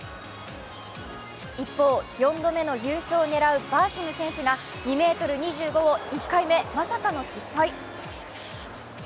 一方、４度目の優勝を狙うバーシム選手が２ｍ２５を１回目、まさかの失敗。